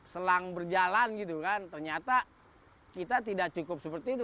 selang berjalan gitu kan ternyata kita tidak cukup seperti itu